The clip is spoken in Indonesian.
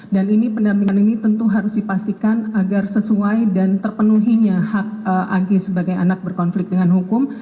dan ini pendampingan ini tentu harus dipastikan agar sesuai dan terpenuhinya hak ag sebagai anak berkonflik dengan hukum